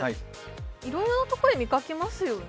いろいろなところで見かけますよね。